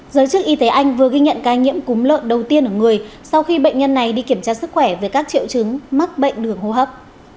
giới chức y tế anh vừa ghi nhận ca nhiễm cúm lợn đầu tiên ở người sau khi bệnh nhân này đi kiểm tra sức khỏe về các triệu chứng mắc bệnh đường hô hấp